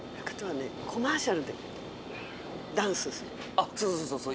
あっそうそうそうそうそう。